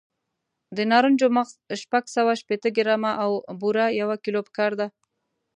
د نارنجو مغز شپږ سوه شپېته ګرامه او بوره یو کیلو پکار دي.